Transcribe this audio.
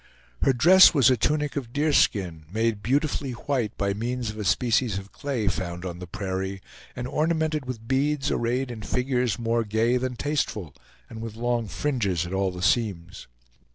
Her dress was a tunic of deerskin, made beautifully white by means of a species of clay found on the prairie, and ornamented with beads, arrayed in figures more gay than tasteful, and with long fringes at all the seams.